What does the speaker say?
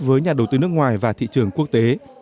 với nhà đầu tư nước ngoài và thị trường quốc tế